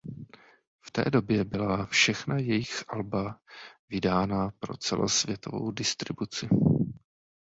V té době byla všechna jejich alba vydána pro celosvětovou distribuci.